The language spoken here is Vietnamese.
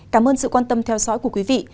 cảm ơn sự quan tâm theo dõi của quý vị